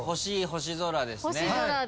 星空です。